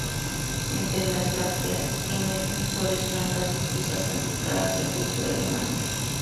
Entre las brácteas emergen flores blancas difusas salpicadas de púrpura y amarillo.